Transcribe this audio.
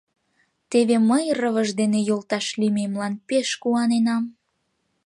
Теве мый Рывыж дене йолташ лиймемлан пеш куаненам…